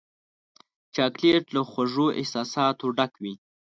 چاکلېټ له خوږو احساساتو ډک وي.